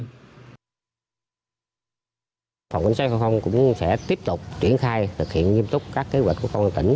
ubnd ubnd ubnd cũng sẽ tiếp tục triển khai thực hiện nghiêm túc các kế hoạch của công an tỉnh